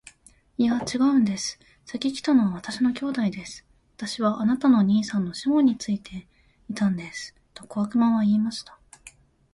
「いや、ちがうんです。先来たのは私の兄弟です。私はあなたの兄さんのシモンについていたんです。」と小悪魔は言いました。